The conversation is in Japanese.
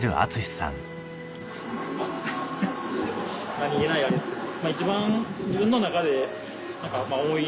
何げないあれですけど。